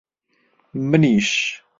منیش!